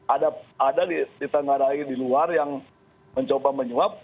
ada disengadai di luar yang mencoba menyuap